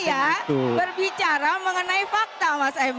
saya berbicara mengenai fakta mas emil